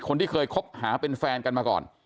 คนที่เคยคบหาเป็นแฟนกันมาก่อน